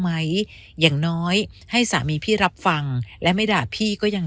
ไหมอย่างน้อยให้สามีพี่รับฟังและไม่ด่าพี่ก็ยัง